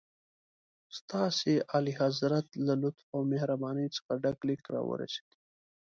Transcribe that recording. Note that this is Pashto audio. ستاسي اعلیحضرت له لطف او مهربانۍ څخه ډک لیک راورسېد.